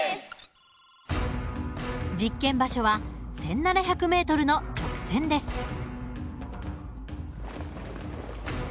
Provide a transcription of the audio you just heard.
実験場所は１，７００ｍの直線です。